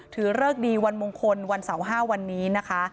เริกดีวันมงคลวันเสาร์๕วันนี้นะคะ